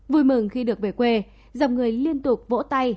vui mừng khi được về quê dòng người liên tục vỗ tay